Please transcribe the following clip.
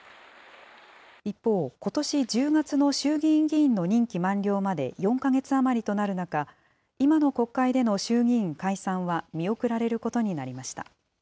一方、ことし１０月の衆議院議員の任期満了まで４か月余りとなる中、今の国会での衆議院解散は見送られることになりました。